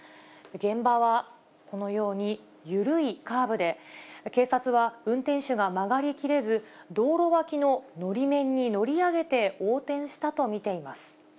現場はこのように緩いカーブで、警察は運転手が曲がり切れず、道路脇ののり面に乗り上げて横転したと見ています。